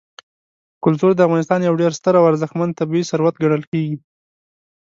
کلتور د افغانستان یو ډېر ستر او ارزښتمن طبعي ثروت ګڼل کېږي.